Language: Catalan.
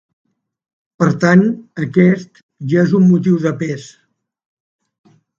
Per tant, aquest ja és un motiu de pes.